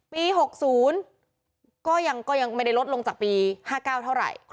ปี๖๐ก็ยังไม่ได้ลดลงจากปี๕๙เท่าไหร่